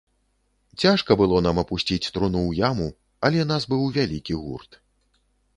Цяжка было нам апусціць труну ў яму, але нас быў вялікі гурт.